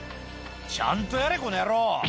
ちゃんとやれ、このやろー。